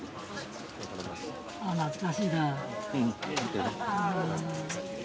懐かしいな。